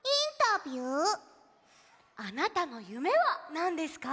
あなたのゆめはなんですか？